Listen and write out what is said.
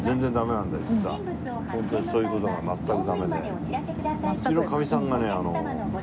ホントにそういう事が全くダメで。